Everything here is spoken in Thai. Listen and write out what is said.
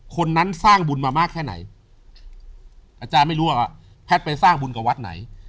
คนนั้นสร้างบุญมามากแค่ไหนอาจารย์ไม่รู้หรอกว่าแพทย์ไปสร้างบุญกับวัดไหน